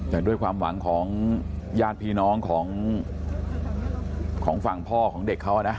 แต่ด้วยความหวังของญาติพี่น้องของฝั่งพ่อของเด็กเขานะ